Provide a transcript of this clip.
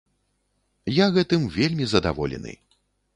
Я гэтым вельмі задаволены.